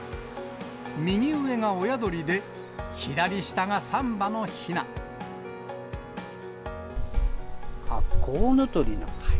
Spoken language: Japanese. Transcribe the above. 右上が親鳥で、あ、コウノトリ。